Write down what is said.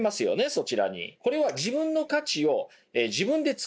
そちらに。